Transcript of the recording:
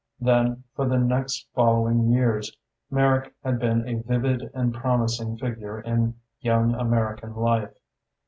Then, for the next following years, Merrick had been a vivid and promising figure in young American life.